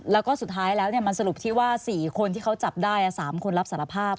แล้วก็สุดท้ายแล้วมันสรุปที่ว่า๔คนที่เขาจับได้๓คนรับสารภาพ